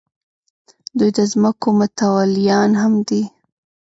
دوی د ځمکو متولیان هم دي.